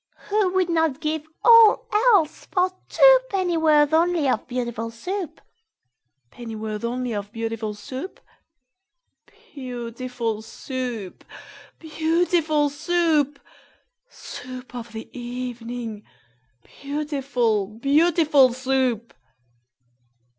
Who would not give all else for two Pennyworth only of Beautiful Soup? Pennyworth only of beautiful Soup? Beau ootiful Soo oop! Beau ootiful Soo oop! Soo oop of the e e evening, Beautiful, beauti FUL SOUP!